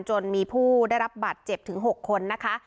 จนมีผู้ได้รับบัตรเจ็บถึง๖คนนะคะ